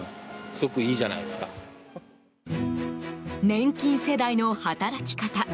年金世代の働き方。